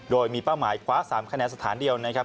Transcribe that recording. โดยมีเป้าหมายคว้า๓คะแนนสถานเดียวนะครับ